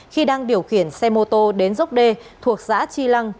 khi đang điều khiển xe mô tô đến dốc đê thuộc giã chi lăng